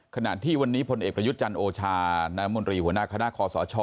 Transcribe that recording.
ขณะที่วันนี้พลเอกประยุทธ์จันทร์โอชานายมนตรีหัวหน้าคณะคอสช